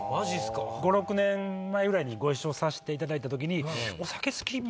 ５６年前ぐらいにご一緒させていただいた時に。